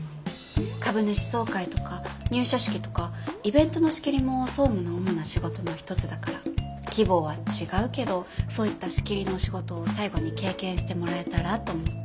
株主総会とか入社式とかイベントの仕切りも総務の主な仕事の一つだから規模は違うけどそういった仕切りの仕事を最後に経験してもらえたらと思って。